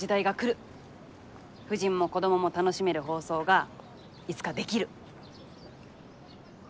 婦人も子供も楽しめる放送がいつかできる。